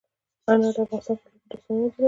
انار د افغان کلتور په داستانونو کې راځي.